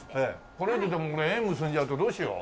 これ以上俺縁結んじゃうとどうしよう。